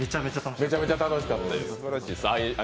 めちゃめちゃ楽しかったです。